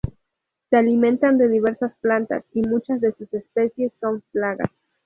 Se alimentan de diversas plantas, y muchas de sus especies son plagas.